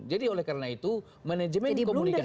jadi oleh karena itu manajemen komunikasi